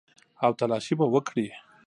او تلاشي به وکړي.